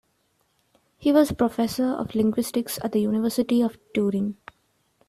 He was professor of linguistics at the University of Turin.